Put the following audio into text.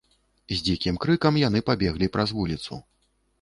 З дзікім крыкам яны пабеглі праз вуліцу.